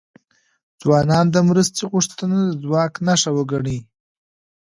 ځوانان د مرستې غوښتنه د ځواک نښه وګڼي.